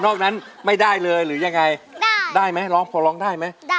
นั้นไม่ได้เลยหรือยังไงได้ไหมร้องพอร้องได้ไหมได้